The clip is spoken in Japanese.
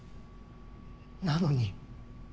なのに。